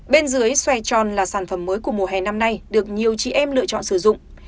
bên dưới xoài tròn là sản phẩm mới của mùa hè năm nay được nhiều chị em lựa chọn sử dụng